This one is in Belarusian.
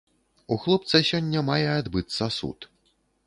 У хлопца сёння мае адбыцца суд.